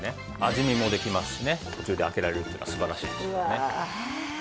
味見もできますしね途中で開けられるっていうのは素晴らしいですよね。